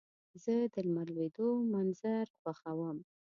زه د لمر لوېدو منظر خوښوم.